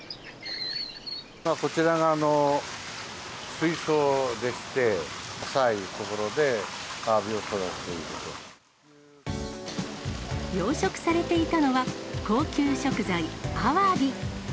こちらが水槽でして、養殖されていたのは、高級食材、アワビ。